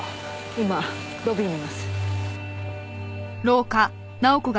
今ロビーにいます。